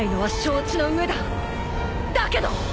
だけど！